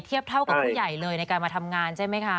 เท่ากับผู้ใหญ่เลยในการมาทำงานใช่ไหมคะ